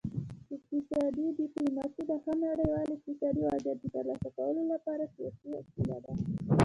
اقتصادي ډیپلوماسي د ښه نړیوال اقتصادي وضعیت د ترلاسه کولو لپاره سیاسي وسیله ده